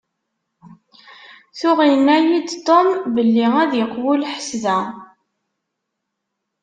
Tuɣ yenna-yi-d Tom belli ad iqewwu lḥess da.